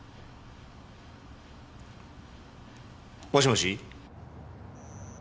もしもし？